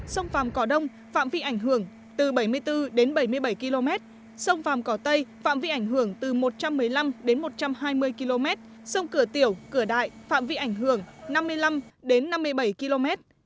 sông phàm cỏ đông phạm vị ảnh hưởng từ bảy mươi bốn đến bảy mươi bảy km sông phàm cỏ tây phạm vị ảnh hưởng từ một trăm một mươi năm đến một trăm hai mươi km sông cửa tiểu cửa đại phạm vị ảnh hưởng năm mươi năm đến năm mươi bảy km